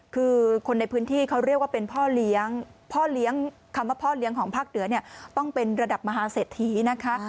คือคนในพื้นที่เขาเรียกว่าเป็นพ่อเลี้ยงพ่อเลี้ยงคำว่าพ่อเลี้ยงของภาคเหนือเนี่ยต้องเป็นระดับมหาเศรษฐีนะคะ